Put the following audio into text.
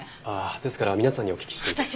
ああですから皆さんにお聞きしていて。